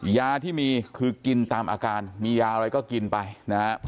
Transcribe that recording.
ยาที่มีคือกินตามอาการมียาอะไรก็กินไปนะครับ